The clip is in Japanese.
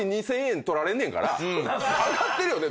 上がってるよね